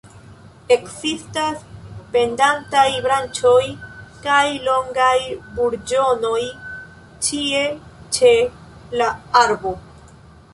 Ekzistas pendantaj branĉoj kaj longaj burĝonoj ĉie ĉe la arbo.